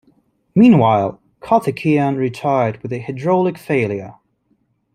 Meanwhile, Karthikeyan retired with a hydraulic failure.